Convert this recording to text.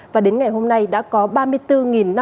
và đến ngày hôm nay đã có ba mươi bốn năm trăm năm mươi bảy mẫu